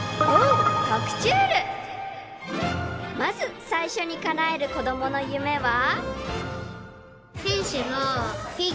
［まず最初にかなえる子供の夢は］